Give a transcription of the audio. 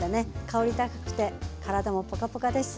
香り高くて体もポカポカです。